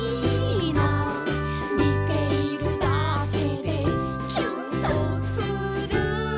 「みているだけでキュンとする」